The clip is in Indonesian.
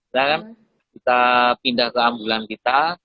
dan kita pindah ke ambulan kita